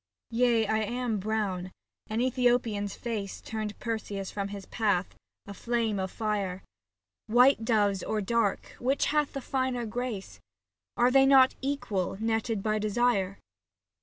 Yea, I am brown — an Ethiopian's face Turned Perseus from his path, a flame of fire. 60 SAPPHO TO PHAON White doves or dark, which hath the finer grace ? Are they not equal, netted by desire